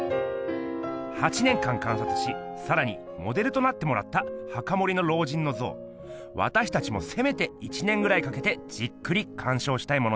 ８年間観察しさらにモデルとなってもらった墓守の老人の像わたしたちもせめて１年ぐらいかけてじっくりかんしょうしたいものです。